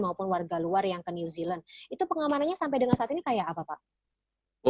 maupun warga luar yang ke new zealand itu pengamanannya sampai dengan saat ini kayak apa pak